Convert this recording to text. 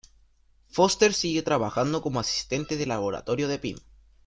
Foster sigue trabajando como asistente de laboratorio de Pym.